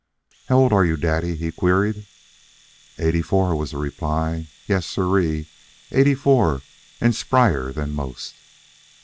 "How old are you, daddy?" he queried. "Eighty four," was the reply. "Yes, sirree, eighty four, and spryer than most."